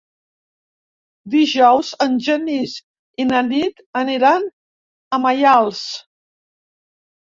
Dijous en Genís i na Nit aniran a Maials.